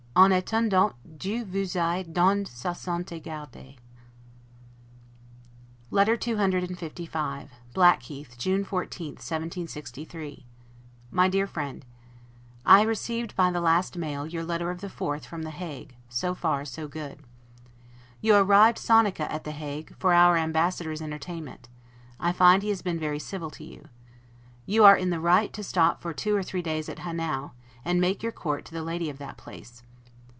'En attendant Dieu vous aye dans sa sainte garde'! LETTER CCLV BLACKHEATH, June 14, 1763 MY DEAR FRIEND: I received, by the last mail, your letter of the 4th, from The Hague; so far so good. You arrived 'sonica' at The Hague, for our Ambassador's entertainment; I find he has been very civil to you. You are in the right to stop for two or three days at Hanau, and make your court to the lady of that place.